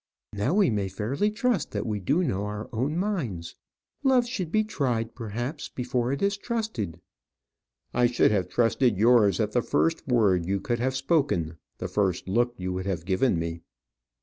Now we may fairly trust that we do know our own minds. Love should be tried, perhaps, before it is trusted." "I should have trusted yours at the first word you could have spoken, the first look you would have given me."